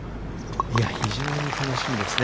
非常に楽しみですね。